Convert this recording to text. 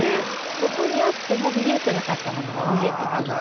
そこにあっても見えてなかったものが見えてくるっていう。